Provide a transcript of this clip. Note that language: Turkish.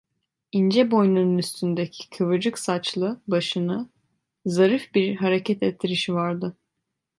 İnce boynunun üstündeki kıvırcık saçlı başını zarif bir hareket ettirişi vardı.